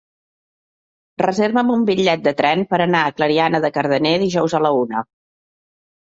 Reserva'm un bitllet de tren per anar a Clariana de Cardener dijous a la una.